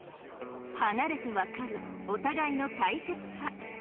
離れてわかるお互いの大切さ